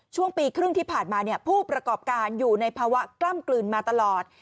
ช่วงปีครึ่งที่ผ่านมาผู้ประกอบการอยู่ในภาวะกล้ำกลืนมาตลอด